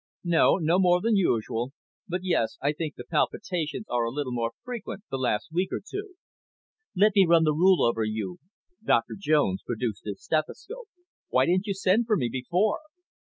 "No, no more than usual. But yes, I think the palpitations are a little more frequent the last week or two." "Let me run the rule over you." Doctor Jones produced his stethoscope. "Why didn't you send for me before?"